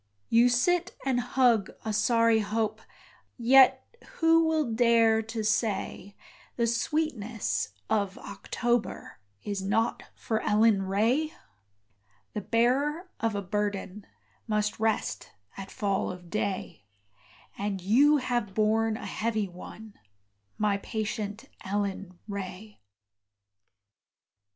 You sit and hug a sorry hope Yet who will dare to say, The sweetness of October Is not for Ellen Ray? The bearer of a burden Must rest at fall of day; And you have borne a heavy one, My patient Ellen Ray.